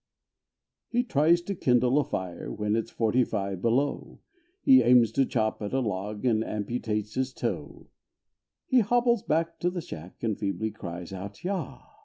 He tries to kindle a fire When it's forty five below; He aims to chop at a log And amputates his toe; He hobbles back to the shack And feebly cries out "yah"!